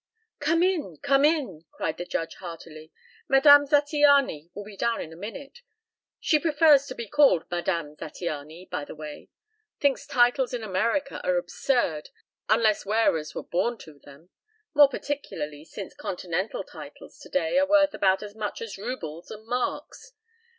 "Come in! Come in!" cried the Judge heartily. "Madame Zattiany will be down in a minute she prefers to be called Madame Zattiany, by the way. Thinks titles in America are absurd unless wearers were born to them more particularly since continental titles today are worth about as much as rubles and marks.